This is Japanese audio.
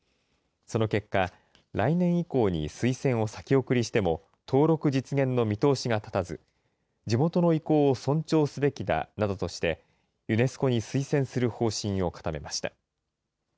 その結果、来年以降に推薦を先送りしても、登録実現の見通しが立たず、地元の意向を尊重すべきだなどとしてユネスコに推薦する方針を固めました。